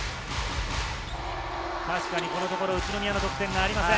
このところ宇都宮の得点はありません。